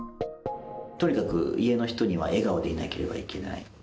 とにかく家の人には笑顔でいなければいけない。